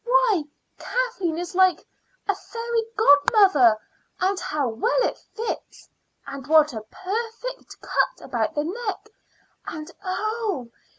"Why, Kathleen is like a fairy godmother. And how well it fits! And what a perfect cut about the neck! And, oh!